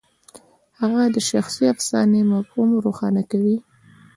هغه د شخصي افسانې مفهوم روښانه کوي.